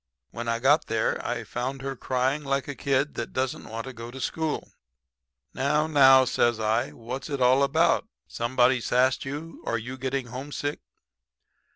"When I got there I found her crying like a kid that don't want to go to school. "'Now, now,' says I, 'what's it all about? Somebody sassed you or you getting homesick?'